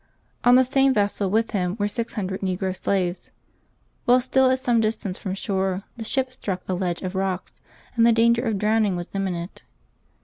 On the same vessel with him were six hundred negro slaves. While still at some distance from shore the ship struck a ledge of rocks, and the danger of drowning was imminent.